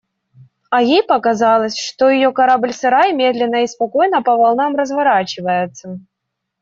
А ей показалось, что это ее корабль-сарай медленно и спокойно по волнам разворачивается.